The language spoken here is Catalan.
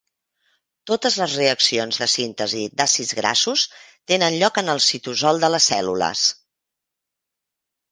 Totes les reaccions de síntesi d'àcids grassos tenen lloc en el citosol de les cèl·lules.